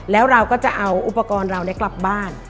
แล้วเราก็จะเอาอุปกรณ์เรากลับบ้าน